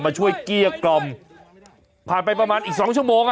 มาช่วยเกี้ยกล่อมผ่านไปประมาณอีกสองชั่วโมงอ่ะ